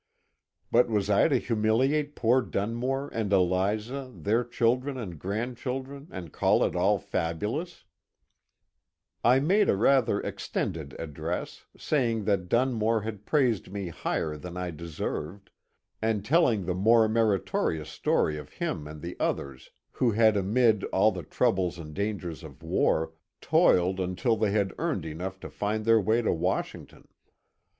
But was I to humiliate poor Dunmore and Eliza, their children and grandchildren, and call it all fabulous ? I made a rather extended address, saying that Dunmore had praised me higher than I deserved, and telling the more meritorious story of him and the others who had amid all the troubles and dangers of war toiled until they had earned enough to find their way to Washington.